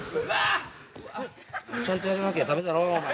ちゃんとやらなきゃダメだろお前。